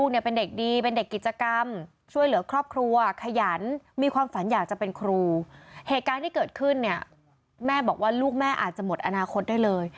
ในอนาคตได้เลย